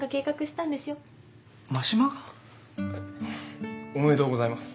真島が？おめでとうございます。